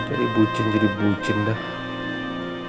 jadi bucin jadi bucin dah